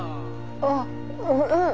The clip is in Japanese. あううん。